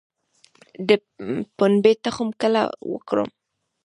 د پنبې تخم کله وکرم؟